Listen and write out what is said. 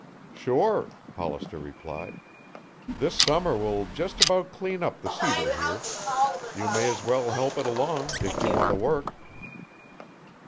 "Sure," Hollister replied. "This summer will just about clean up the cedar here. You may as well help it along, if you want to work."